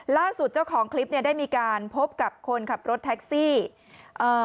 ล่าสุดเจ้าของคลิปเนี่ยได้มีการพบกับคนขับรถแท็กซี่เอ่อ